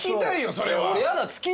それは。